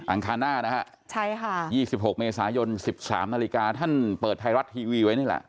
อังคารหน้านะคะที่๒๖เมษายน๑๓นท่านเปิดไทยรัตน์ทีวีไว้นี่แหละ